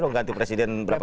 udah ganti presiden berapa kali